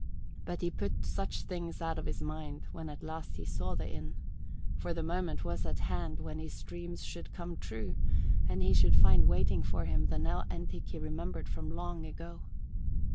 But he put such things out of his mind when at last he saw the inn, for the moment was at hand when his dreams should come true and he should find waiting for him the Nell Entick he remembered from long ago.